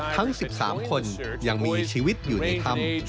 ทั้ง๑๓คนยังมีชีวิตอยู่ในถ้ำ